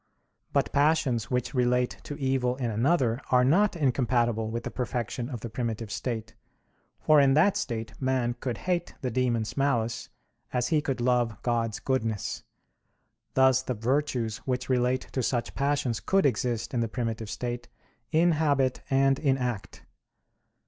But passions which relate to evil in another are not incompatible with the perfection of the primitive state; for in that state man could hate the demons' malice, as he could love God's goodness. Thus the virtues which relate to such passions could exist in the primitive state, in habit and in act.